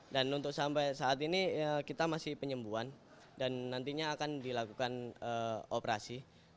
dan untuk sampai saat ini kita masih penyembuhan dan nantinya akan dilakukan operasi